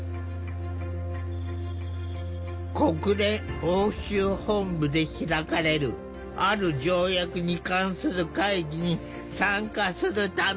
国連欧州本部で開かれるある条約に関する会議に参加するためだ。